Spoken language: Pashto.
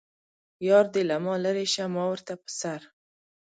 یار دې له ما لرې شه ما ورته په سر.